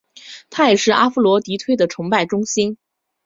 它也是阿佛罗狄忒的崇拜中心。